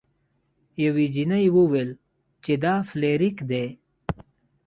یوې جینۍ وویل چې دا فلیریک دی.